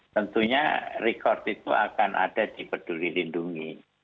tentunya record itu akan ada di peduli lindungi